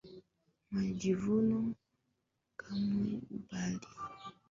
majivuno kamwe bali ni njia yake ya kumshukuru Mungu kwa kumjalia na kumpa uwezo